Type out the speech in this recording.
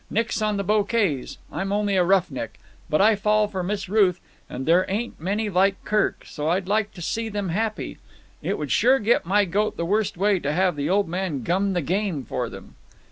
"Nix on the bouquets! I'm only a roughneck. But I fall for Miss Ruth, and there ain't many like Kirk, so I'd like to see them happy. It would sure get my goat the worst way to have the old man gum the game for them."